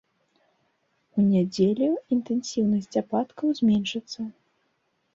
У нядзелю інтэнсіўнасць ападкаў зменшыцца.